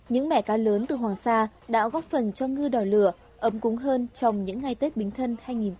những mẻ cá lớn từ hoàng sa đã góp phần cho ngư đòi lửa ấm cúng hơn trong những ngày tết bình thân hai nghìn một mươi sáu